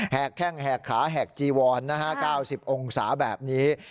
แข้งแหกขาแหกจีวอน๙๐องศาแบบนี้